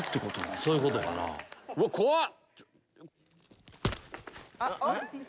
怖っ！